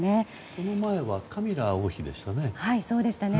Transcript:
その前はカミラ王妃でしたね。